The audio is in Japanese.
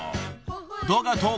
［動画投稿